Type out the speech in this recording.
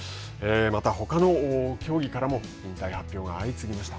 またほかの競技からも引退発表が相次ぎました。